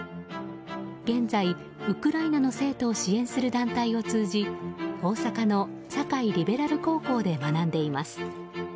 現在ウクライナの生徒を支援する団体を通じ大阪の堺リベラル高校で学んでいます。